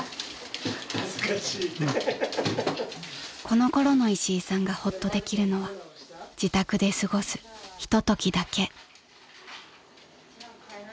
［このころの石井さんがほっとできるのは自宅で過ごすひとときだけ］